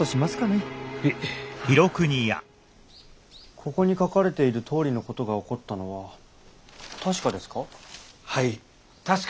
ここに書かれているとおりのことが起こったのは確かですか？